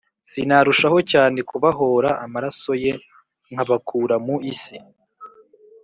sinarushaho cyane kubahōra amaraso ye, nkabakura mu isi?”